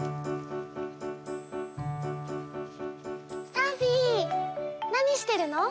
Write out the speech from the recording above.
サフィーなにしてるの？